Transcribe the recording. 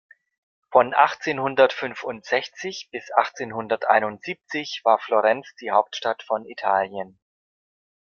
Von achtzehnhundertfünfundsechzig bis achtzehnhunderteinundsiebzig war Florenz die Hauptstadt von Italien.